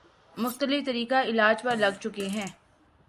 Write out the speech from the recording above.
مختلف طریقہ علاج پر لگ چکے ہیں